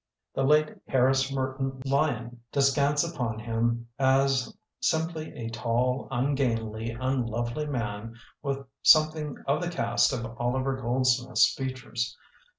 The late Harris Merton Lyon descants upon him as "simply a tall, ungainly, unlovely man with some thing of the cast of Oliver Goldsmith's features.